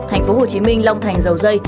thành phố hồ chí minh long thành dầu dây